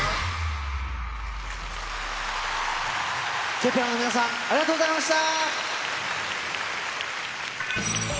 Ｋｅｐ１ｅｒの皆さん、ありがとうございました。